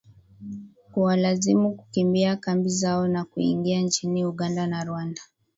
kuwalazimu kukimbia kambi zao na kuingia nchini Uganda na Rwanda